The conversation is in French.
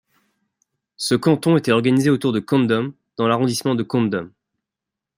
Ce canton était organisé autour de Condom dans l'arrondissement de Condom.